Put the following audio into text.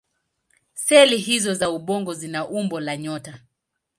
Seli hizO za ubongo zina umbo la nyota.